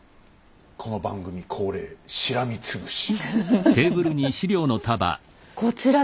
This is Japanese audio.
この番組恒例しらみつぶし！